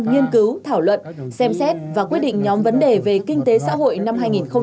nghiên cứu thảo luận xem xét và quyết định nhóm vấn đề về kinh tế xã hội năm hai nghìn hai mươi một hai nghìn hai mươi hai